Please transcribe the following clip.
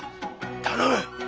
頼む！